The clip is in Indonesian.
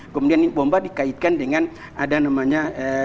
kemudian ini pompa dikaitkan dengan ada namanya